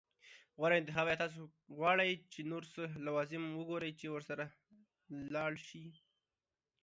غوره انتخاب. ایا تاسو غواړئ یو څه نور لوازم وګورئ چې ورسره لاړ شئ؟